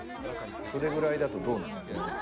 それぐらいだとどうなの？